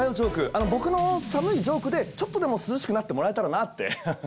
あの僕の寒いジョークでちょっとでも涼しくなってもらえたらなって。